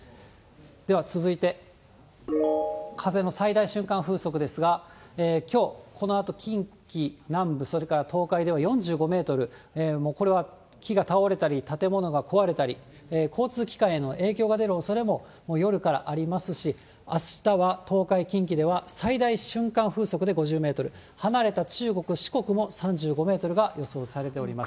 では続いて、風の最大瞬間風速ですが、きょう、このあと近畿南部、それから東海では４５メートル、もうこれは木が倒れたり、建物が壊れたり、交通機関への影響が出るおそれも、夜からありますし、あしたは東海、近畿では、最大瞬間風速で５０メートル、離れた中国、四国も３５メートルが予想されております。